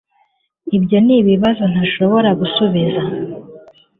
Ibyo nibibazo ntashobora gusubiza